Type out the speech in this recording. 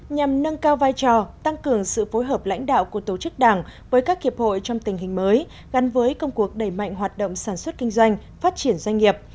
nhằm nâng cao vai trò tăng cường sự phối hợp lãnh đạo của tổ chức đảng với các hiệp hội trong tình hình mới gắn với công cuộc đẩy mạnh hoạt động sản xuất kinh doanh phát triển doanh nghiệp